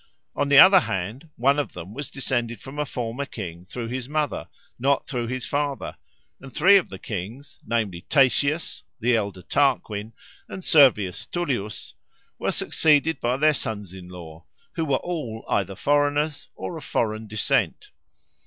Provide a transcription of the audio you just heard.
On the other hand, one of them was descended from a former king through his mother, not through his father, and three of the kings, namely Tatius, the elder Tarquin, and Servius Tullius, were succeeded by their sons in law, who were all either foreigners or of foreign descent.